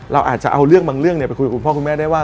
เราอาจจะเอาเรื่องบางเรื่องไปคุยกับคุณพ่อคุณแม่ได้ว่า